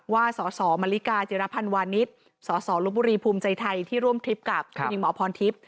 สสมริกาจิรพันธ์วานิสสลบบุรีภูมิใจไทยที่ร่วมทริปกับคุณหญิงหมอพรทิพย์